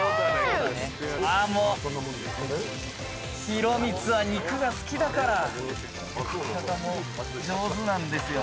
ヒロミツは肉が好きだから上手なんですよ